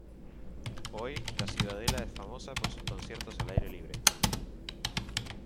Hoy, la ciudadela es famosa por sus conciertos al aire libre.